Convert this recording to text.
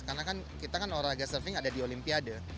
karena kan kita kan olahraga surfing ada di olimpiade